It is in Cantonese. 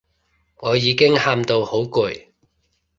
我已經喊到好攰